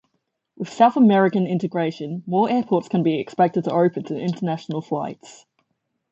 With South American integration, more airports can be expected to open to international flights.